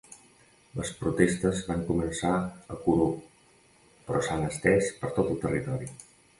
Les protestes van començar a Kourou però s'han estès per tot el territori.